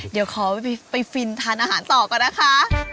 เดี๋ยวขอไปฟินทานอาหารต่อก่อนนะคะ